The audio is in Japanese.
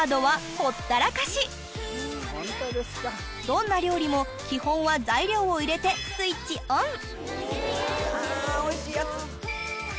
どんな料理も基本は材料を入れてスイッチオン！